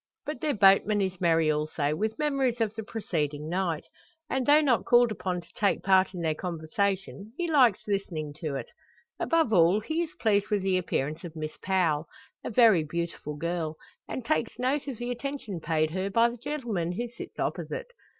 But their boatman is merry also, with memories of the preceding night; and, though not called upon to take part in their conversation, he likes listening to it. Above all he is pleased with the appearance of Miss Powell, a very beautiful girl; and takes note of the attention paid her by the gentleman who sits opposite.